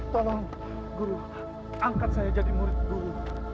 tolong guru angkat saya jadi murid guru